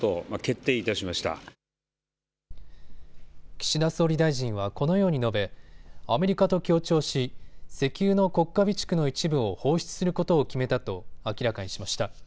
岸田総理大臣はこのように述べ、アメリカと協調し石油の国家備蓄の一部を放出することを決めたと明らかにしました。